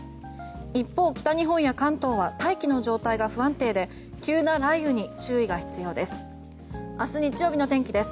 一方、北日本や関東は大気の状態が不安定で急な雷雨に注意が必要です。